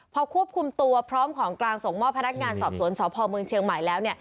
พอควบคุมตัวพร้อมของกลางส่งมอบพนักงานสอบสวนสพเมืองเชียงใหม่แล้ว